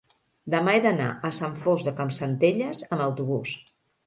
demà he d'anar a Sant Fost de Campsentelles amb autobús.